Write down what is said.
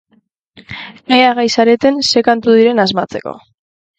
Ea gai zareten ze kantu diren asmatzeko.